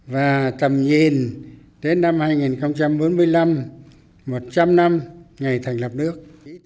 và tầm nhìn đến năm hai nghìn bốn mươi năm một trăm linh năm ngày thành lập nước